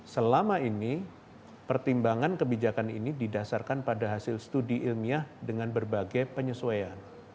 selama ini pertimbangan kebijakan ini didasarkan pada hasil studi ilmiah dengan berbagai penyesuaian